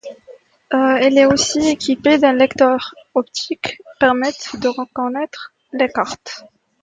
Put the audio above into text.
Il est aussi équipé d'un lecteur optique permettant de reconnaître les cartes.